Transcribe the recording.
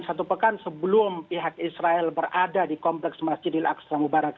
dan satu pekan sebelum pihak israel berada di kompleks masjidil aqsa mubarak